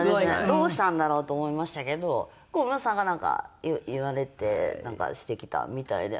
どうしたんだろうと思いましたけど小室さんがなんか言われてしてきたみたいで。